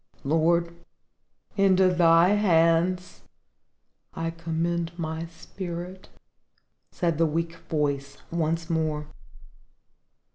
"Lord, into Thy hands I commend my spirit," said the weak voice once more.